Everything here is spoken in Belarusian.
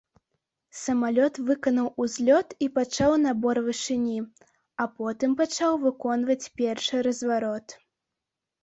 Самалёт выканаў узлёт і пачаў набор вышыні, а потым пачаў выконваць першы разварот.